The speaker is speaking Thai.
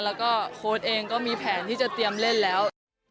แล้วก็โค้ดเองก็มีแผนที่จะเตรียมเล่นแล้ว